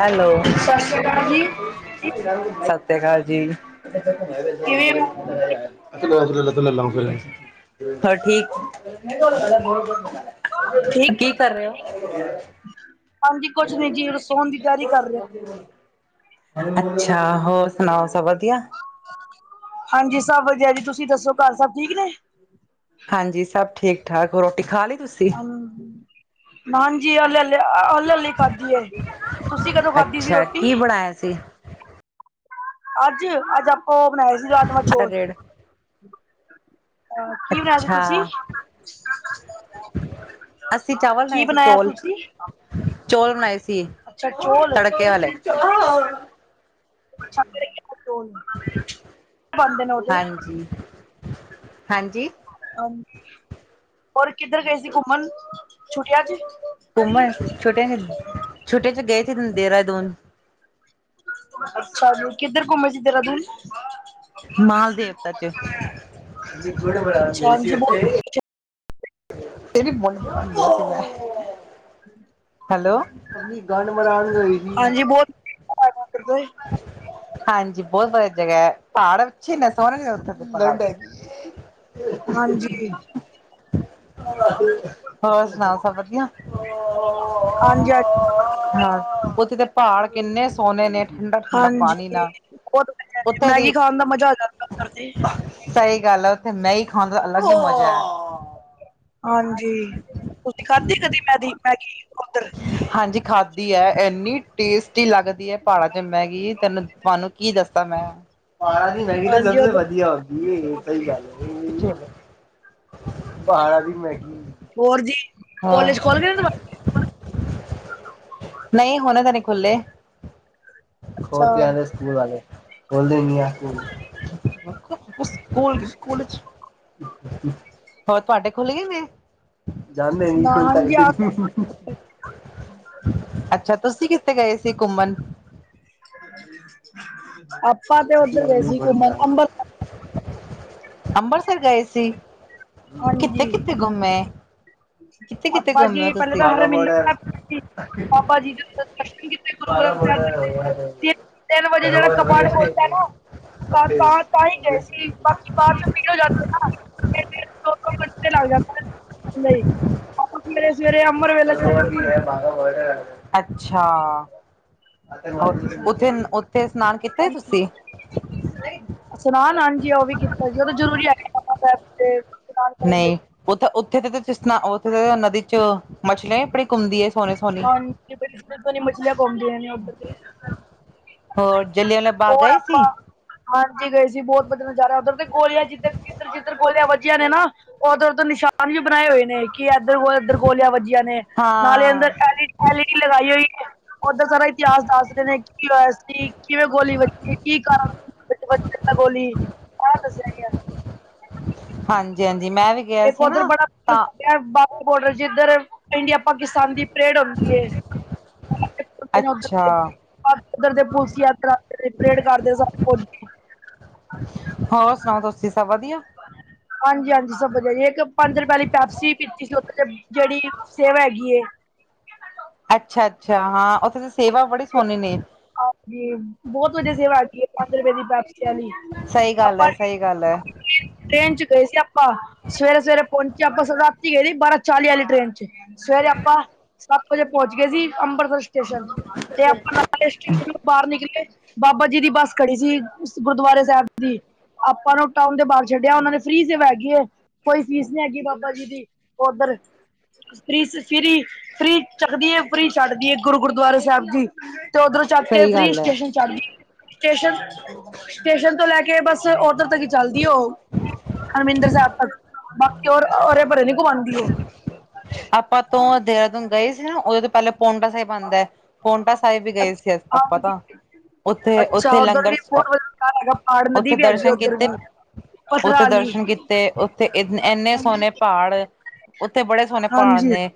Hello ਸਸਸ੍ਰੀ ਅਕਾਲ ਜੀ, ਸਸ ਸ੍ਰੀ ਅਕਾਲ ਜੀ। ਕਿਵੇਂ ਹੋ [inaudible] ਹੋਰ ਠੀਕ, ਠੀਕ ਕੀ ਕਰ ਰਹੇ ਓ? [unintelligible] ਹਾਂਜੀ, ਕੁਛ ਨੀ ਜੀ, ਹੁਣ ਸੋਣ ਦੀ ਤਿਆਰੀ ਕਰ ਰਏ ਆ। ਅੱਛਾ, ਹੋਰ ਸੁਣਾਓ ਸਭ ਵਧੀਆ? ਹਾਂਜੀ, ਸਭ ਵਧੀਆ ਜੀ, ਤੁਸੀਂ ਦੱਸੋ ਘਰ ਸਬ ਠੀਕ ਨੇ? ਹਾਂਜੀ, ਸਭ ਠੀਕ-ਠਾਕ ਹੋਰ ਰੋਟੀ ਖਾਲੀ ਤੁਸੀਂ? [unintelligible] ਨਾ ਜੀ ਹਲੇ, ਹਲੇ, ਹਲੇ, ਹਲੀ ਖਾਧੀ ਏ, ਤੁਸੀਂ ਕਦੋਂ ਖਾਧੀ ਸੀ ਰੋ? ਅੱਛਾ ਕੀ ਬਣਾਇਆ ਸੀ? ਅੱਜ-ਅੱਜ ਆਪਾਂ ਓ ਬਣਾਏ ਸੀ, ਰਾਜਮਾਂਹ ਚੋਲ। ਰੇੜ ਆ ਕੀ ਬਣਾਇਆ ਸੀ ਅੱਛਾ ਤੁਸੀਂ? ਕੀ ਬਣਾਇਆ ਤੁਸੀ? ਚੋਲ ਬਣਾਏ ਸੀ, ਤੜਕੇ ਵਾਲੇ। [inaudible] ਖਾਂਦੇ ਨੇ ਓਹਦੇ ਹਾਂਜੀ ਹਾਂਜੀ ਹ ਹੋਰ ਕਿੱਧਰ ਗਏ ਸੀ ਘੁੰਮਣ, ਛੁੱਟੀਆਂ 'ਚ? ਘੁੰਮਣ, ਛੁੱਟੀਆਂ 'ਚ, ਛੁੱਟੀਆਂ 'ਚ ਗਏ ਸੀ ਦੇਹਰਾਦੂਨ। ਅੱਛਾ ਜੀ, ਕਿੱਧਰ ਘੁੰਮੇ ਸੀ ਦੇਹਰਾਦੂਨ? ਮਾਲ ਦੇਵਤਾ ਚ ਹਾਂਜੀ ਬਹੁਤ [unintelligible] ਹੈਲੋ ਹਾਂਜੀ [unintelligible] ਹਾਂਜੀ ਬਹੁਤ ਵਧੀਆ ਜਗ੍ਹਾ ਏ, ਪਹਾੜ ਅੱਛੇ ਨੇ ਸੋਹਣੇ ਨੇ ਉੱਧਰ। ਲੈਟ ਹੈਗੀ ਏ। ਹਾਂਜੀ ਹੋਰ ਸੁਣਾਓ ਸਭ ਵਧੀਆ ਹਾਂਜੀ ਹਾਂ ਉਹਥੇ ਤਾਂ, ਪਹਾੜ ਕਿੰਨੇ ਸੋਹਣੇੇ ਨੇ, ਠੰਡਾ ਠੰਡਾ ਹਾਂਜੀ ਪਾਣੀ ਨਾਲ, ਉੱਥੇ ਦੀ ਉਹਦੇ, ਸਹੀ ਗੱਲ ਆ, ਉੱਥੇ ਮੈਂਗੀ ਖਾਣ ਦਾ ਅਲੱਗ ਹੀ ਮਜ਼ਾ ਆ। ਹਾਂਜੀ, ਤੁਸੀਂ ਖਾਧੇ ਕਦੇ ਮੈਂਦੀ ਮੈਗੀ ਉੱਧਰ ਹਾਂਜੀ ਖਾਂਦੀ ਹੈ, ਇੰਨੀ ਟੇਸਟੀ ਲੱਗਦੀ ਹੈ ਪਹਾੜਾਂ 'ਚ ਮੈਗੀ, ਤੈਨੂੰ ਤੁਹਾਨੂੰ ਕੀ ਦੱਸਤਾ ਮੈਂ, ਪਹਾੜਾਂ ਦੀ ਮੈਗੀ ਤਾਂ ਹਾਂਜੀ ਸਬ ਨਾਲੋਂ ਉਧਰ ਵਧੀਆ। ਇਹ ਸਹੀ ਗੱਲ ਪਹਾੜਾਂ ਦੀ ਮੈਗੀ ਹੋਰ ਜੀ, ਹਾਂ ਕੋਲੇਜ ਖੋਲ ਗੇ ਨਹੀਂ, ਹੁਣੇ ਤਾਂ ਨਹੀਂ ਖੁੱਲੇ। ਹੋ ਤੇ ਆ ਅੱਛਾ ਸਕੂਲ ਵਾਲੇ, ਬੋਲਦੇ ਹੀ ਨ ਆ ਕੋਲਜ ਹੋਰ ਤੁਹਾਡੇ ਖੁੱਲ ਗਏ ਨੇ? ਜਾਣਦਾ ਨੀ, ਨਾ ਕੋਣ ਹਾਂਜੀ ਤਾਰੀਖ ਆ ਨੂੰ ਅੱਛਾ, ਤੁਸੀਂ ਕਿੱਥੇ ਗਏ ਸੀ ਘੁੰਮਣ? ਆਪਾ ਤੇ ਉੱਧਰ ਗਏ ਸੀ ਘੁੰਮਣ, ਅੰਬਰਸਰ ਅੰਬਰਸਰ ਗਏ ਸੀ, ਕਿੱਥੇ ਹਾਂਜੀ ਕਿੱਥੇ ਘੁੰਮੇ? ਕਿੱਥੇ ਕਿੱਥੇ ਆਪਾਂ ਜੀ ਘੁੰਮੇ ਹੋ ਪਹਿਲੇ ਤੁਸੀਂ ਤਾਂ ਹਰ ਬਾਗਾ ਬੋਡਰ ਮਹੀਨੇ, ਬਾਬਾ ਜੀ ਦੇ ਦਰਸ਼ਨ ਕੀਤੇ, ਗੁਰੂ ਬਾਗਾ ਗ੍ਰੰਥ ਸਾਹਿਬ ਬੋਡਰ ਜੀ ਹੋ ਗਿਆ ਤੇ ਤਿੰਨ- ਤਿੰਨ ਵਜੇ ਜਿਹੜਾ ਸਰੋਵਰ ਕਪਾਟ ਪੈਲ ਵਗੈਰਾ ਤਾਂ, ਤਾਂ ਤਾਂ ਹੀ ਗਏ ਸੀ। ਬਾਕੀ ਬਾਅਦ ਚੋਂ ਵਿ ਭੀੜ ਹੋ ਜਾਂਦੀ ਨਾ, ਦੋ ਦੋ ਘੰਟੇ ਲੱਗ ਜਾਂਦੇ। ਨਹੀਂ, ਆਪਾ ਸਵੇਰੇ ਸਵੇਰੇ ਅੰਮ੍ਰਿਤ ਵੇਲੇ ਚੱਲ ਗਏ ਬਾਅਦ ਸੀ ਚ' ਬਾਗਾਾ ਬੋਰਡਰ ਅੱਛਾ, ਹਾਂਜੀ ਉੱਥੇ ਉੱਥੇ ਸਨਾਨ ਕਿਤਾ ਤੁਸੀਂ ਸਨਾਨ ਹਾਂ ਜੀ ਉਹ ਵੀ ਕੀਤਾ ਸੀ, ਉਹਦੇ ਜਰੂਰੀ ਆ। ਨਹੀਂ, ਉੱਥੇ ਉੱਥੇ ਤਾਂ ਤੁਸੀਂ ਸੁ ਉੱਥੇ ਤਾਂ ਨਦੀ ਚ' ਮਛਲੀਆਂ ਬੜੀ ਘੁੰਮਦੀ ਹੈ। ਸੋਹਣੀ ਸੋਹਣੀ ਹਾਂ ਮਛਲੀਆਂ ਕੁੰਮਦੀਆਂ ਉਥੇ ਤੇ, ਹੋਰ, ਜਲਿਆ ਵਾਲਾ ਬਾਗ ਹੋਰ ਗਏ ਆਪਾਂ ਸੀ? ਹਾਂਜੀ ਗਏ ਸੀ ਬਹੁਤ ਵਧੀਆ ਨਜ਼ਾਰਾ ਉਧਰ ਤੇ, ਗੋਲੀਆਂ ਜਿੱਧਰ ਜਿੱਧਰ, ਜਿੱਧਰ ਗੋਲੀਆਂ ਵੱਜੀਆਂ ਨੇ ਨਾ ਉੱਧਰ ਤੋਂ ਨਿਸ਼ਾਨ ਵੀ ਬਣਾਏ ਹੋਏ ਨੇ, ਕਿ ਇੱਧਰ- ਇਧਰ ਗੋਲੀਆਂ ਵੱਜੀਆਂ ਨੇ ਨਾਲੇ ਅੰਦਰ ਹਾਂ ਐਲਈਡੀ ਲਗਾਈ ਹੋਈ, ਓਦਾਂ ਸਾਰਾ ਇਤਿਹਾਸ ਦੱਸ ਰਹੇ ਨੇ, ਕਿ ਹੋ ਸੀ, ਕਿਵੇਂ ਗੋਲੀ ਵੱਜੀ, ਕੀ ਕਾਰਨ ਵਿੱਚ ਵਜੀ ਗੋਲੀ, ਇਹ ਦੱਸਿਆ ਗਿਆ। ਹਾਂਜੀ ਹਾਂਜੀ ਮੈਂ ਵੀ ਗਿਆ ਇਕ ਸੀ ਉਧਰ ਨਾ ਬੜਾ ਤਾਂ ਫੇਮਸ ਐ ਬਾਗਾ ਬੋਡਰ ਜਿਧਰ ਇੰਡੀਆ ਪਾਕਿਸਤਾਨ ਦੀ ਪਰੇਡ ਹੁੰਦੀ ਏ। ਉੱਥੇ ਨਾ ਉਧਰ ਅੱਛਾ ਚ ਪਾਕ [unintelligible] ਉੱਧਰ ਦੇ ਪੁਲਸੀ ਪਰੇਡ ਕਰਦੇ ਸਨ ਕੁਜ ਹੋਰ ਸੁਣਾਓ ਤੁਸੀਂ ਸਭ ਵਧੀਆ? ਹਾਂਜੀ ਹਾਂਜੀ। ਸਭ ਵਧੀਆ ਜੀ ਇੱਕ ਪੰਜ ਰੁਪਏ ਪੈਪਸੀ ਪੀਤੀ ਸੀ ਉੱਥੇ ਜਿਹੜੀ ਸੇਵਾ ਹੈਗੀ ਏ। ਅੱਛਾ ਅੱਛਾ ਹਾਂ ਉੱਥੇ ਦੀ ਸੇਵਾ ਬੜੀ ਸੁਣੀ ਨੇ। ਹਾਂਜੀ ਬਹੁਤ ਵਧੀਆ ਸੇਵਾ ਹੈਗੀਏ ਪੰਜ ਰੁਪਏ ਦੀ ਪੈਪਸੀ ਵਾਲੀ। ਸਹੀ ਗੱਲ ਆਪਾਂ ਹੈ, ਸਹੀ ਗੱਲ ਹੈ। ਟ੍ਰੇਨ ਚ ਗਏ ਸੀ ਆਪਾਂ ਸਵੇਰੇ -ਸਵੇਰੇ ਪਹੁੰਚੇ ਆਪਾਂ ਰਾਤੀ ਗਏ ਸੀ ਬਾਰਾਂ ਚਾਲੀ ਵਾਲੀ ਟ੍ਰੇਨ ਚ। ਸਵੇਰੇ ਆਪਾਂ ਸੱਤ ਵਜੇ ਪਹੁੰਚ ਗਏ ਸੀ ਅੰਮ੍ਰਿਤਸਰ ਸਟੇਸ਼ਨ ਤੇ ਆਪਾਂ ਨਾਲ ਸਟੇਸ਼ਨ ਤੋਂ ਬਾਹਰ ਨਿਕਲੇ ਬਾਬਾ ਜੀ ਦੀ ਬੱਸ ਖੜੀ ਸੀ ਗੁਰਦੁਆਰੇ ਸਾਹਿਬ ਦੀ। ਆਪਾਂ ਨੂੰ ਟਾਊਨ ਦੇ ਬਾਹਰ ਛੱਡਿਆ ਉਹਨਾਂ ਦੇ ਫ੍ਰਰੀ ਸੇਵਾ ਹੈਗੀ ਏ, ਕੋਈ ਫੀਸ ਨੀ ਹੈਗੀ ਬਾਬਾ ਜੀ ਦੀ। ਉਧਰ ਫਰੀ ਸ, ਫਰੀ, ਫਰੀ ਚੱਕਦੀਏ ਫਰੀ ਛੱਡਦੀਏ ਗੁਰੂ ਗੁਰਦੁਆਰੇ ਸਾਹਿਬ ਦੀ। ਤੇ ਉੱਧਰੋਂ ਚੜ ਕੇ ਸਹੀ ਫ੍ਰਰੀ ਗੱਲ ਹੈ ਸਟੇਸ਼ਨ ਛੜ ਦੀ ਏ, ਸਟੇਸ਼ਨ- ਸਟੇਸ਼ਨ ਤੋਂ ਲੈ ਕੇ ਬਸ ਉਧਰ ਤੱਕ ਚੱਲਦੀ ਓ, ਹਰਿਮਿੰਦਰ ਸਾਹਿਬ ਤੱਕ। ਬਾਕੀ ਔਰ ਅਰੇ ਭਰੇ ਨੀ ਘੁੰਮਉਂਦੀ ਓ। ਆਪਾਂ ਤੋਂ ਦੇਹਰਾਦੂਨ ਗਏ ਸੀ ਨਾ ਉਹਦੇ ਤੋਂ ਪਹਿਲਾਂ ਪੋਂਟਾ ਸਾਹਿਬ ਬਣਦਾ ਐ, ਪੋਨਟਾ ਸਾਹਿਬ ਵੀ ਗਏ ਸੀ ਆਪਾਂ ਤਾਂ। ਹਾਂਜੀ ਉੱਥੇ ਅੱਛਾ ਉੱਥੇ ਉੱਧਰ ਲੰਗਰ ਵੀ ਬਹੁਤ ਵਧੀਆ ਹੈਗਾ ਪਾੜ ਨਦੀ ਉੱਥੇ ਵੀ ਹੈਗੀ ਦਰਸ਼ਨ ਉੱਧਰ ਕੀਤੇ ਵੀ। ਪਥਰਾ ਉੱਥੇ ਆਲੀ ਦਰਸ਼ਨ ਕੀਤੇ ਉੱਥੇ ਇ-ਇੰਨੇ ਸੋਹਣੇ ਪਹਾੜ, ਉੱਥੇ ਬੜੇ ਸੋਹਣੇ ਪਹਾੜ ਹਾਂਜੀ ਨੇ,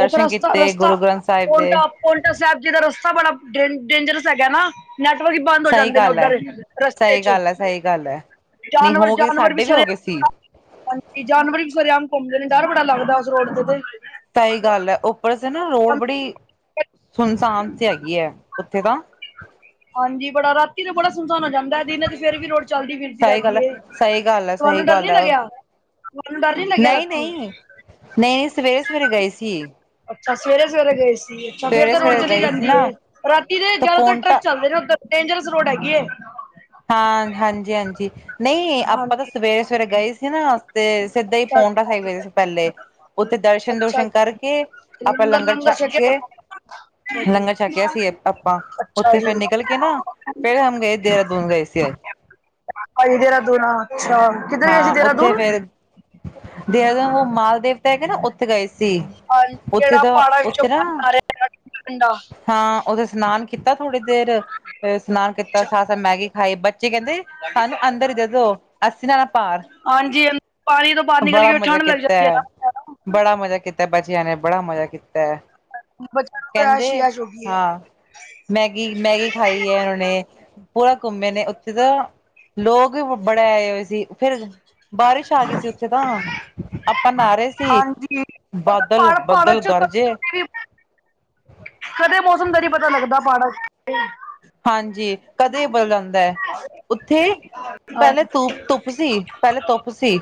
ਦਰਸ਼ਨ ਕੀਤੇ ਗੁਰੂ ਗ੍ਰੰਥ ਸਾਹਿਬ ਦੇ। ਪੌਂਟਾ ਸਾਹਿਬ ਜੀ ਦਾ ਰਸਤਾ ਬੜਾ ਡੇ- ਡੇਂਜਰਸ ਹੈਗਾ ਨਾ। ਨੈਟਵਰਕ ਈ ਬੰਦ ਹੋ ਸਹੀ ਜਾਂਦੇ ਨੇ ਗੱਲ ਹੈ ਉੱਧਰ ਰਸਤੇ ਸਹੀ ਚ। ਗੱਲ ਹੈ ਸਹੀ ਗੱਲ ਹੈ ਨਹੀਂ ਜਾਨਵਰ- ਹੋ ਗਏ ਜਾਨਵਰ ਵੀ ਸਾਡੇ ਸਾਰੇ ਹੋ ਗਏ [unintelligible] ਸੀ ਹਾਂਜੀ ਜਾਨਵਰ ਵੀ ਸਵੇਰੇ ਆਮ ਘੁੰਮਦੇ ਨੇ ਡਰ ਬੜਾ ਲੱਗਦਾ ਉਸ ਰੋਡ ਤੇ ਤੇ। ਸਹੀ ਗੱਲ ਹੈ ਉੱਪਰ ਸੇ ਨਾ ਰੋਡ ਬੜੀ, ਸੁਨਸਾਨ ਸੀ ਹੈਗੀ ਹੈ ਉੱਥੇ ਤਾਂ। ਹਾਂਜੀ ਬੜਾ ਰਾਤੀ ਤੇ ਬੜਾ ਸੁਨਸਾਨ ਹੋ ਜਾਂਦਾ ਦਿਨ ਚ ਫੇਰ ਵੀ ਰੋਡ ਚੱਲਦੀ ਫਿਰਦੀ ਸਹੀ ਗੱਲ ਰਹਦੀ ਹੈ ਏ। ਸਹੀ ਗੱਲ ਹੈ ਤੁਹਾਨੂੰ ਡਰ ਨੀ ਲੱਗਿਆ? ਤੁਹਾਨੂੰ ਡਰ ਨ ਨਈ ਨਈ, ਨਈ ਸਵੇਰੇ- ਸਵੇਰੇ ਗਏ ਸੀ। ਅੱਛਾ ਸਵੇਰੇ-ਸਵੇਰੇ ਗਏ ਸੀ ਅੱਛਾ ਫੇਰ ਸਵੇਰੇ ਤਾਂ ਰੋਡ ਸਵੇਰੇ ਚਲੀ ਗਏ ਸੀ ਜਾਂਦੀ ਨਾ ਹੈ ਰਾਤੀ ਦੇ ਤਾਂ ਜਿਆਦਾਤਰ ਟਰੱਕ ਪੌਂਟਾ ਚੱਲਦੇ ਨੇ ਉੱਧਰ ਡੇਂਜਰਸ ਰੋਡ ਹੈਗੀ ਏ। ਹਾਂ ਹਾਂਜੀ ਹਾਂਜੀ। ਨਈ ਆਪਾਂ ਤਾਂ ਹਾਂਜੀ। ਸਵੇਰੇ -ਸਵੇਰੇ ਗਏ ਸੀ ਨਾ ਤੇ ਸਿੱਧਾ ਹੀ ਅੱਛਾ ਪੋਟਾ ਸਾਹੀਬ ਗੇ ਸੀ ਪਹਿਲੇ ਉੱਥੇ ਦਰਸ਼ਨ- ਅੱਛਾ ਅੱਛਾ ਦੂਰਸ਼ਨ ਕਰਕੇ ਆਪਾਂ ਲੰਗਰ ਛੱਕ ਛਕਿਆ ਕੇ ਅੱਛਾ ਲੰਗਰ ਜੀ ਛੱਕਿਆ ਸੀ ਆਪਾਂ, ਅੱਛਾ ਉੱਥੇ ਜੀ ਫੇਰ ਨਿਕਲ ਕੇ ਨਾ ਫੇਰ ਹਮ ਨੇ ਦੇਰਾਦੂਨ ਦੂਨ ਗਏ ਸੀ ਏ। ਹਾਜੀ ਦੇਹਰਾਦੂਨ ਅੱਛਾ ਕਿੱਧਰ ਗੇ ਸੀ ਹਾਂ ਉੱਥੇ ਦੇਹਰਾਦੂਨ। ਫੇਰ ਦੇਹਰਾਦੂਨ ਉਹ ਮਾਲਦੇਵ ਤੇ ਹੈਗੇ ਨਾ ਉੱਥੇ ਗਏ ਸੀ। ਹਾਂਜੀ ਉੱਥੇ ਜਿਹੜਾ ਤਾਂ ਪਹਾੜਾਂ ਵਿੱਚੋਂ ਉੱਥੇ ਨਾ ਪਾਣੀ ਆ ਰਿਹਾ ਇੰਨਾ ਠੰਡਾ। ਹਾਂ ਉਥੇ ਇਸ਼ਨਾਨ ਕੀਤਾ ਥੋੜ੍ਹੀ ਦੇਰ ਤੇ ਇਸ਼ਨਾਨ ਕੀਤਾ ਅੱਛਾ ਸਾਥ-ਸਾਥ ਮੈਗੀ ਖਾਈ, ਬੱਚੇ ਕਹਿੰਦੇ ਸਾਨੂੰ ਅੰਦਰ ਈ ਦੇ ਦੋ। ਅੱਸੀ ਨਾ ਭਾਰ, ਹਾਂਜੀ ਪਾਣੀ ਤੋਂ ਬਾਹਰ ਨਿਕਲ ਬੜਾ ਕੇ ਮਜਾ ਠੰਢ ਲੱਗ ਕੀਤਾ ਜਾਂਦੀ ਹੈ ਆ। ਨਾ ਬੜਾ ਮਜਾ ਕੀਤੈ ਬਚੇਆਂ ਨੇ, ਬੜਾ ਮਜਾ ਕੀਤੈ। [inaudible] ਤੇ ਗਈ ਹੈ ਹਾਂ, ਮੈਗੀ, ਮੈਗੀ ਖਾਈ ਐ ਹਣੇ। ਪੂਰਾ ਘੁੰਮੇ ਨੇ ਉੱਥੇ ਤਾਂ, ਲੋਗ ਵੀ ਬੜੇ ਆਏ ਹੋਏ ਸੀ, ਫੇ ਬਾਰਿਸ਼ ਆਗੀ ਸੀ ਉਥੇ ਤਾਂ, ਆਪਾਂ ਨਾਅ ਰੇ ਸੀ। ਹਾਂਜੀ ਪਹਾੜ ਪਹਾੜਾਂ ਬਾਦੱਲ-ਬੱਦਲ ਚ ਗਰਜੇ ਕਦੇ ਵੀ ਕਦੇ ਮੌਸਮ ਦਾ ਨੀ ਪਤਾ ਲੱਗਦਾ ਪ੍ਹਾੜਾ ਚ ਤੇ। ਹਾਂਜੀ, ਕਦੇ ਬਦਲ ਜਾਂਦੈ ਉਥੇ ਹਾਂ ਪ੍ਹੈਲੇ ਤੁੱਪ, ਧੁੱਪ ਸੀ, ਪ੍ਹੈਲੇ ਧੁੱਪ ਸੀ।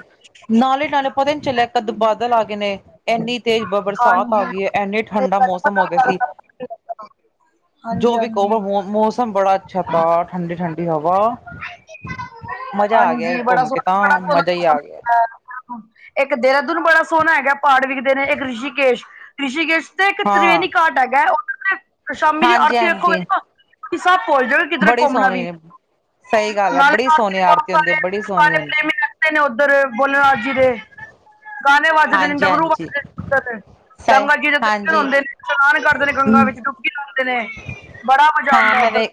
ਨਾਲੇ-ਨਾਲੇ ਪਤਾ ਈ ਨੀ ਚੱਲੇਆ ਕੱਦ ਬਾਦਲ ਆਗੇ ਨੇ। ਐਨੀ ਤੇਜ ਬ ਬਰਸਾਤ ਹਾਂਜੀ ਆਗੀ ਏ, ਐਨੇ ਇਹ ਠੰਡਾ ਗੱਲ ਮੌਸਮ ਹੋ ਗੇਆ ਪਤਾ ਸੀ, ਨੀ ਲੱਗਦਾ ਹਾਂਜੀ ਜੋ ਵੀ ਕੋਵੋ ਹਾਂਜੀ ਮੌ, ਮੌਸ ਸਮ ਬੜਾ ਅੱਛਾ ਤਾ ਠੰਡੀ-ਠੰਡੀ ਹਵਾ ਮਜਾ ਆ ਗੇਆ ਘੁੰਮ ਕੇ ਤਾਂ, ਮਜਾ ਈ ਆ ਗੇਐ। [unintelligible] ਏੱਕ ਦੇਹਰਾਦੂਨ ਬੜਾ ਸੋਨਾ ਹੈਗੈ, ਪ੍ਹਾੜ ਵਿਖਦੇ ਨੇ, ਏੱਕ ਰਿਸ਼ੀਕੇਸ਼। ਰਿਸ਼ੀਕੇਸ਼ ਤੇ ਹਾਂ ਤ੍ਰਿਵੇਨੀ ਘਾਟ ਹੈਗੈ, ਓਤੇ ਸ਼ਾਮੀ ਦੀ ਹਾਂਜੀ ਆਰਤੀ ਵੇਖੋਗੇ ਹਾਂਜੀ ਨਾ, ਤੂਸੀ ਸੱਬ ਭੋਲ ਜੋਗੇ ਕਿੱਦਰੇ ਬੜੀ ਘੁੰਮਨਾ ਵੀ, ਸੋਹਣੀ ਨੇ ਸਹੀ ਗੱਲ ਹੈ ਨਾਲੇ ਬੜੀ ਸੋਹਣੀ ਆਰਤੀ ਹੁੰਦੀ ਹੈ ਬੜੀ ਸੋਹਣੀ ਹੁੰਦੀ [unintelligible] [unintelligible] ਨੇ ਓਦੱਰ, ਬੋਲੇਨਾਥ ਜੀ ਦੇ। ਗਾਨੇ ਵਾੱਜਦੇ ਨੇ, ਹਾਂਜੀ ਡੰਮਰੂ ਹਾਂਜੀ ਵਾੱਜਦੇ ਨੇ ਓਦੱਰ, ਸ ਗੰਗਾ ਜੀ ਦੇ ਦਰਸ਼ਨ ਹਾਂਜੀ ਹੁੰਦੇ ਨੇ। ਇਸ਼ਨਾਨ ਕਾਰਦੇ ਨੇ ਗੰਗਾਂ ਵਿੱਚ, ਡੁੱਬਕੀ ਲਾਂਦੇ ਨੇ, ਬੜਾ ਮਜਾ ਹਾਂ ਆਂਦੈ ਮੈਂ ਓਦੱਰ। ਵੇ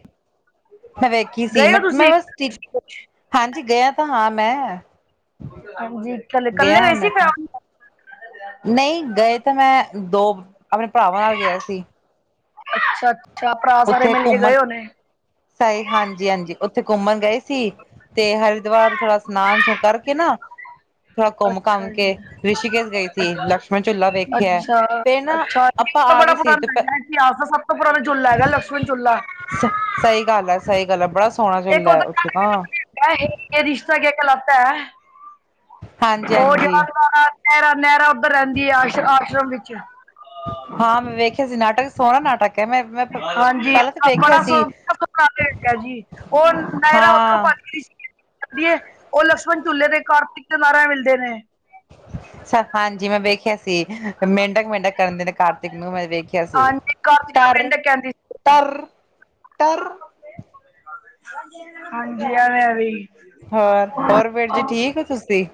ਮੈਂ ਵੇਖੀ ਸੀ, ਮੈਂ ਬਾੱਸ ਟੀ ਤੁਸੀਂ ਹਾਂਜੀ, ਗੇਆ ਤਾਂ ਹਾਂ ਮੈਂ। ਹਾਂਜੀ, ਕੱਲੇ-ਕੱਲੇ ਗਿਆ ਗਏ ਸੀ, ਮੈਂ ਤਾਂ ਫੈਮਿਲੀ? ਨਹੀਂ ਗਏ ਤਾਂ ਮੈਂ, ਦੋ ਅਪਨੇ ਭਰਾਵਾਂ ਨਾਲ ਗੇਆ ਸੀ। ਅੱਛਾ-ਅੱਛਾ ਭਰਾ ਸਾਰੇ ਮਿਲ ਕੇ ਗਏ ਹੋਨੇ। ਸਈ, ਹਾਂਨ। ਜੀ, ਹਾਂਜੀ ਉਥੇ ਘੁੰਮਨ ਗਏ ਸੀ, ਤੇ ਹਰਿਦੁਆਰ ਥੋੜਾ ਸਨਾਨ-ਸੂ ਕਾਰਕੇ ਨਾ ਥੋੜਾ ਘੁੰਮ-ਘਾੱਮ ਅੱਛਾ ਕੇ ਜੀ ਰਿਸ਼ੀਕੇਸ਼ ਗਏ ਸੀ, ਅੱਛਾ ਲਕਸ਼ਮਣ ਝੁਲਾ ਵੇਖੇਐ, ਅੱਛਾ ਫੇਰ ਨਾ [unintelligible] ਆਪਾਂ ਤਾਂ ਆ ਬੜਾ ਗਏ ਸੀ ਤੇ ਪੁਰਾਨਾ ਹੈਗੈ, ਇਤਿਹਾਸ ਦਾ ਸਬ ਤੋਂ ਪੁਰਾਨਾ ਝੂੱਲਾ ਹੈਗੈ, ਲਕਸ਼ਮਨ ਝੂੱਲਾ। ਸ ਸਈ ਗੱਲ ਐ, ਸਈ ਗੱਲ ਐ, ਬੜਾ ਸੋਣਾ ਝੂਲਾ ਐ ਉਥੇ ਤਾਂ। ਐ ਹੈੇ ਏ ਰਿਸ਼ਤਾ ਕੇਆ ਕੈਹਲਾਤਾ ਹੈ। ਹਾਂਜੀ ਹਾਂਜੀ। ਨੇਹਰਾਂ-ਨੇਹਰਾਂ ਉਦੱਰ ਰੈਂਦੀ ਏ ਆਸ਼, ਆਸ਼ਰਮ ਵਿੱਚ। ਹਾਂ ਮੈਂ ਵੇਖੇਆ ਸੀ ਨਾਟਕ, ਸੋਣਾ ਨਾਟਕ ਏ, ਮੈਂ ਮੈਂ ਹਾਂਜੀ, ਪਹਿਲਾਂ ਤਾਂ ਵੇਖਿਆ ਸੀ [unintelligible] ਓ ਨਾਏਰਾ ਓਦਰੋਂ ਹਾਂ ਭਾੱਜ ਗੀ ਸੀ। ਜਾਂਦੀਏ, ਓ ਲਕਸ਼ਮਣ ਝੁਲੇ ਤੇ ਕਾਰਤਿਕ ਤੇ ਨਾਏਰਾ ਮਿਲਦੇ ਨੇ। ਹਾਂਜੀ, ਮੈਂ ਵੇਖੇਆ ਸੀ। ਮੇਂਢਕ-ਮੇਂਢਕ ਕਰਨ ਦੇ ਨੇ ਕਾਰਤਿਕ ਨੂੰ, ਮੈਂ ਵੇਖੇਆ ਸੀ, ਹਾਂਜੀ ਕਾਰਤਿਕਾ ਟਰ ਪਿੰਡ ਕਹਿੰਦੀ ਸੀ ਟਰ-ਟਰ। ਹਾਂਜੀ, ਐਵੇਂ-ਐਵੇ ਈ। ਹੋਰ, ਹੋਰ ਵੀਰ ਜੀ ਠੀਕ ਤੂਸੀ?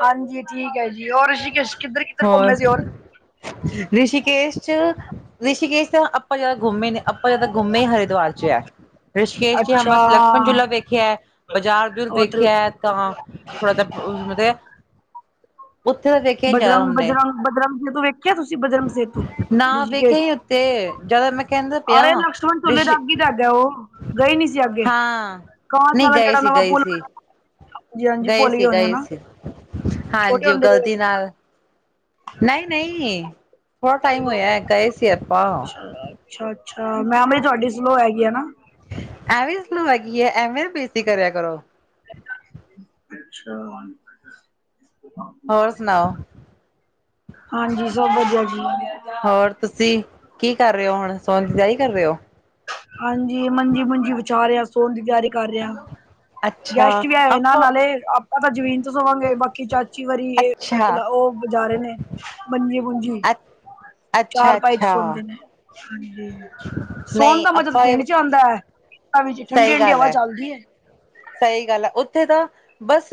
ਹਾਂਜੀ ਠੀਕ ਐ ਜੀ, ਔਰ ਰਿਸ਼ੀਕੇਸ਼ ਕਿੱਧਰ ਕਿੱਧਰ ਘੁੰਮੇ ਹੋਰ? ਸੀ ਰਿਸ਼ੀਕੇਸ਼ 'ਚ, ਰਿਸ਼ੀਕੇਸ਼ ਤਾਂ ਆਪਾਂ ਜਾ ਘੁੰਮੇ ਨੀ। ਬਹੁਤ ਜ਼ਿਆਦਾ ਘੁੰਮੇ ਹੀ ਹਰਿਦੁਵਾਰ 'ਚ ਹੈ। ਰਿਸ਼ਕੇਸ਼ ਜੀ ਅੱਛਾ ਬਸ ਲਕਸ਼ਮਣ ਝੁਲਾ ਵੇਖਿਆ ਹੈ, ਬਾਜ਼ਾਰ ਬੁਜੁਰ ਉਧਰ ਵੇਖਿਆ ਹੈ ਤਾਂ ਥੋੜਾ ਜਿਹਾ ਮਤਲਬ, ਉੱਥੇ ਦਾ ਦੇਖ ਬਜਰੰਗ, ਬਜਰੰਗ, ਬਜਰੰਗ ਜ ਤੋਂ ਵੇਖ ਦੇਖਿਆ ਤੁਸੀਂ ਬਜਰਗ ਸੇਤੂ, ਨਾ ਰਿਸ਼ੀਕੇਸ਼ ਵੇਖਿਆ ਚ', ਹੀ ਉੱਥੇ ਜਿਆਦਾ ਮੈਂ ਕਹਿੰਦਾ ਪਿਆ ਅਰੇ ਲਕਸ਼ਮਣ ਝੁਲੇ ਦਾ ਰਿਸ਼ੀ ਅੱਗੇ ਹੀ ਦ ਹੈਗਾ ਉਹ, ਗਏ ਨੀ ਸੀ ਅੱਗੇ‌ ਹਾਂ, ਨਹੀਂ ਗਏ ਸੀ, ਗਈ ਸੀ। ਹਾਂਜੀ ਹਾਂਜੀ ਗਏ ਭੁੱਲ ਸੀ, ਹੋਣੇ ਗਏ ਹਨਾ ਸੀ, ਛੋਟੇ ਹਾਂਜੀ ਉਹ ਹੁੰਦੇ ਗਏ ਗਲਤੀ ਹੋਣੇ ਨਾਲ ਨਹੀਂ ਨਹੀਂ, ਥੋੜਾ ਟਾਈਮ ਹੋਇਆ ਗਏ ਸੀ ਆਪਾਂ। ਅੱਛਾ ਅੱਛਾ ਅੱਛਾ, ਮੈਮਰੀ ਤੁਹਾਡੀ ਸਲੋ ਹੈਗੀ ਆ ਨਾ। ਐਵੇਂ ਸਲੂ ਹੈਗੀ ਹੈ, ਐਵੇਂ ਨਾ ਬੇਸਤੀ ਕਰਿਆ ਕਰੋ। ਅੱਛਾ। ਹੋਰ ਸੁਣਾਓ ਹਾਂਜੀ, ਸਭ ਵਧੀਆ ਜੀ। ਹੋਰ ਤੁਸੀਂ ਕੀ ਕਰ ਰਹੇ ਹੋ ਹੁਣ? ਸੋਨ ਦੀ ਤਿਆਰੀ ਕਰ ਰਹੇ ਹੋ। ਹਾਂਜੀ, ਮੰਜੀ- ਮੂੰਜੀ ਬਛਾ ਰਿਹਾ ਆ, ਸੋਣ ਦੀ ਤਿਆਰੀ ਕਰ ਰਹੇ ਹਾਂ। ਅੱਛਾ ਗੈਸਟ ਵੀ ਆਏ ਨਾ ਆਪਾਂ ਨਾਲੇ, ਆਪਾਂ ਤਾਂ ਜ਼ਮੀਨ ਤੋਂ ਸਵਾਂਗੇ, ਬਾਕੀ ਚਾਚੀ ਵਾਰੀ ਅੱਛਾ ਉਹ ਬਿਜਾਰੇ ਨੇ ਮੰਜੀ ਮੂੰਜੀ ਅੱਛਾ ਚਾਰ ਪਾਈ 'ਚ ਅੱਛਾ ਸੋਦੇ ਨੇ, ਹਾਂਜੀ, ਸੋਣ ਨਹੀਂ ਦਾ ਮਜ਼ਾ ਤਾ ਆਪਾਂ ਪਿੰਡ 'ਚ ਆਉਂਦਾ ਹੈ, ਖੇਤਾ ਵਿਚ ਠੰਡੀ ਸਹੀ ਠੰਡੀ ਗੱਲ ਹਵਾ ਹੈ ਚੱਲਦੀ ਏ। ਸਹੀ ਗੱਲ ਆ, ਉੱਥੇ ਤਾਂ ਬਸ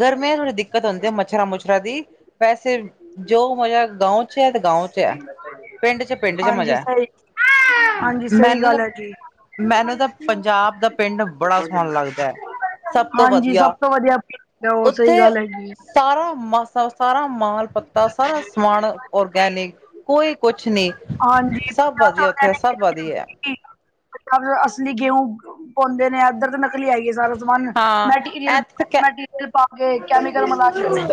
ਗਰਮੀਆਂ 'ਚ ਥੋੜ੍ਹੀ ਦਿੱਕਤ ਆਉਦੀ ਮੱਛਰਾਂ- ਮੁਛਰਾਂ ਦੀ, ਵੈਸੇ ਜੋ ਮਜ਼ਾ ਗਾਓਂ 'ਚ ਹੈ ਗਾਓ 'ਚ ਹੈ, ਪਿੰਡ 'ਚ, ਪਿੰਡ 'ਚ ਹਾਂਜੀ ਮਜ਼ਾ ਸਹੀ ਹੈ। ਹਾਂਜੀ ਸਹੀ ਮੈਨੂੰ ਤਾਂ, ਗੱਲ ਹੈ ਜੀ ਮੈਨੂੰ ਤਾਂ, ਪੰਜਾਬ ਦਾ ਪਿੰਡ ਬੜਾ ਸੋਹਣਾ ਲੱਗਦਾ। ਸਭ ਤੋਂ ਹਾਂਜੀ ਵਧੀਆ, ਸਭ ਤੋਂ ਵਧੀਆ ਉਹ ਸਹੀ ਉੱਥੇ ਗੱਲ ਹੈਗੀ ਹੈ ਸਾਰਾ ਮਸਤ ਸ ਸਾਰਾ ਮਾਲ ਪੱਤਾ, ਸਾਰਾ ਸਮਾਨ ਔਰਗੈਨਿਕ, ਕੋਈ ਕੁਛ ਨੀ। ਸਭ ਵਧੀਆ ਉੱਥੇ ਸਭ ਵਧੀਆ [unintelligible] ਅਸਲੀ ਗੇਹੂ ਪਾਉਂਦੇ ਨੇ, ਇੱਧਰ ਤੇ ਨਕਲੀ ਹੈ ਸਾਰਾ ਸਮਾਨ ਹਾਂ ਮੈਟੀਰੀਅਲ- ਐਥੇ ਮੈਟੀਰੀਅਲ ਪਾ ਕੈਮੀਕਲ ਮਿਲਾ ਕੇ,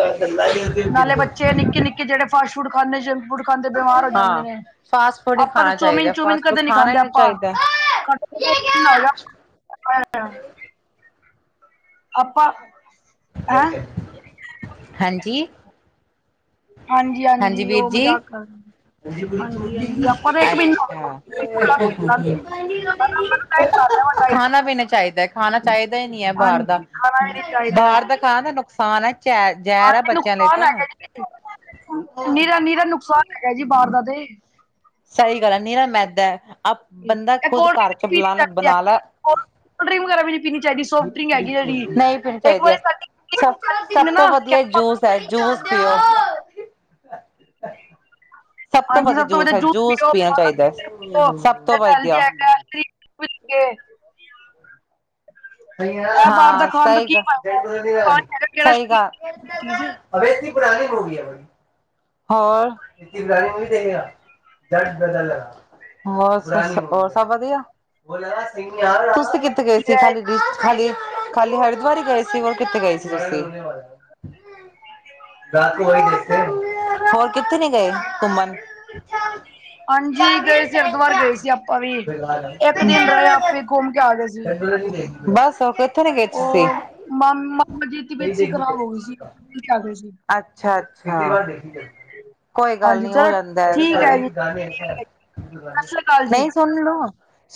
ਨਾਲੇ ਤਾਂ ਬੱਚੇ ਨਿਕੇ ਨਿੱਕੇ ਨਿੱਕੇ ਜਿਹੜੇ ਫਾਸਟ ਫੂਡ ਖਾਂਦੇ, ਜੰਕ ਫੂਡ ਖਾਂਦੇ ਬਿਮਾਰ ਹੋ ਜਾਂਦੇ ਹਾਂ ਨੇ। ਫਾਸਟ ਫੂਡ ਨਹੀਂ ਆਪਾਂ ਤਾਂ, ਖਾਣਾ ਚੌਮੀਨ- ਚਾਹੀਦਾ ਚੌਮਿਨ ਫਾਸਟ ਫੂਡ ਕਦੇ ਨਹੀਂ ਖਾਣਾ ਖਾਂਦੇ ਹੀ ਆਪਾਂ। ਚਾਹੀਦਾ। [unintelligible] ਅਪਾਂ ਹਾਂਜੀ। ਹਾਂਜੀ, ਹਾਂਜੀ ਉਹ ਮਜ਼ਾਕ ਕਰ ਰਹੇ ਹੈਂ। [unintelligible] ਅਛਾ ਗਿਆ, ਪੂਰਾ ਤਿੰਨ ਦਿਨ। ਮੈਂ ਡਾਈਟ ਕਰ ਲਿਆ, ਮੈਂ ਡਾਈਟ ਖਾਣਾ ਵੀ ਨਹੀਂ ਚਾਹੀਦਾ, ਖਾਣਾ ਚਾਹੀਦਾ ਹੀ ਨਹੀਂ ਹੈ, ਬਾਹਰ ਹਾਂਜੀ ਦਾ। ਖਾਣਾ ਵੀ ਨੀ ਚਾਹੀਦਾ ਹੈ ਬਾਹਰ ਦਾ ਖਾਣਾ ਨੁਕਸਾਨ ਹੈੈ, ਜ਼ਹਿਰ- ਜ਼ਹਿਰ ਆ ਬੱਚਿਆਂ ਲਈ ਤਾਂ। ਨੀਰਾ, ਨੀਰਾ ਨੁਕਸਾਨ ਹੈਗਾ ਜੀ, ਬਾਹਰ ਦਾ ਤੇ। ਸਹੀ ਗੱਲ ਹੈ, ਨਿਰਾ ਮੈਦਾ ਹੈ, ਆਪ ਬੰਦਾ ਇਹ ਖੁਦ ਕੋਲਡ ਘਰ 'ਚ ਬੁਲਾ ਬਣਾ ਲਾ। [inaudible] ਕੋਲ ਡਰਿੰਕ ਵੀ ਨਹੀ ਪੀਣੀ ਚਾਹੀਦੀ। ਨਹੀਂ ਪੀਣੀ ਚਾਹੀਦੀ ਹੈ। ਫਿਰ ਜੂਸ ਪਿਯੋ। ਸਭ ਤੋਂ ਵਧੀਆ ਜੂਸ ਹੈ, ਜੂਸ ਪੀਣਾ ਚਾਹੀਦਾ ਹੈ, ਸਭ ਤੋਂ ਹੈਲਦੀ ਵਧੀਆ। ਹੈਗਾ [unintelligible] ਬਾਹਰ ਦਾ ਹਾਂ, ਖਾਣ ਤੋਂ ਸਹੀ ਕੀ ਗੱਲ, ਫਾਇਦਾ ਪਾਣੀ ਹੈਗਾ ਕਿਹੜਾ ਸਹੀ ਗੱਲ। ਚੀਜ਼ [unintelligible] ਹੋਰ। ਮੋਸਮ, ਸਭ ਵਧੀਆ ਤੁਸੀ ਕਿੱਥੇ ਗਏ ਸੀ, ਖਾਲੀ ਦਿਨ 'ਚ ਖਾਲੀ, ਖਾਲੀ, ਹਰਿਦਵਾਰ ਹੀ ਗਏ ਸੀ, ਹੋਰ ਕਿੱਥੇ ਗਏ ਸੀ ਤੁਸੀਂ। ਹੋਰ ਕਿੱਥੇ ਨੀ ਗਏ, ਘੁੰਮਣ। ਹਾਂਜੀ ਗਏ ਸੀ, ਹਰਿਦੁਵਾਰ ਗਏ ਸੀ ਆਪਾਂ ਵੀ, ਇੱਕ ਦਿਨ ਰਹੇ, ਆਪੇ ਘੁੰਮ ਕੇ ਆ ਗਏ ਸੀ। ਬੱਸ, ਓਕੇ। ਉਹ ਮਾਮ ਮਾਮਾ ਜੀ ਦੀ, ਤਬੀਅਤ ਖ਼ਰਾਬ ਹੋ ਗਈ ਸੀ, ਜਲਦੀ ਆ ਗਈ ਸੀ। ਅੱਛਾ- ਅੱਛਾ। ਕੋਈ ਗੱਲ ਹਾਂਜੀ ਨੀ, ਹੋ ਚਲੋ ਜਾਂਦਾ ਹੈ ਠੀਕ ਜੀ ਐਸੇ। ਠੀਕ ਹੈ ਜੀ। ਸਤਿ ਸ੍ਰੀ ਅਕਾਲ ਜੀ ਨਹੀਂ ਸੁਨ ਲਓ।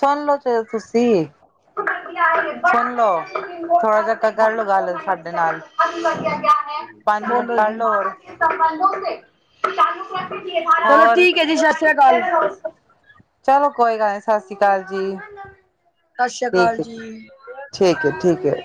ਸੁਣ ਲਓ ਚਲੋ ਤੁਸੀਂ, ਸੁਣ ਲੋੋ, ਥੋੜਾ ਜਿਹਾ। ਕਰਲੋ ਗੱਲ ਸਾਡੇ ਨਾਲ, ਪੰਜ ਮਿੰਟ ਬੋਲੋ ਜੀ। ਕਰਲੋ ਹੋਰ। [unintelligible] ਚਲੋ ਹੋਰ ਠੀਕ ਹੈ ਜੀ ਸਤਿ ਸ੍ਰੀ ਅਕਾਲ ਸਤਿ ਚਲੋ ਕੋਈ ਗੱਲ ਨਹੀਂ, ਸਤਿ ਸ਼੍ਰੀ ਅਕਾਲ ਜੀ। ਸਤਿ ਸ਼੍ਰੀ ਅਕਾਲ ਠੀਕ ਹੈ ਜੀ। ਠੀਕ ਹੈ, ਠੀਕ ਹੈ।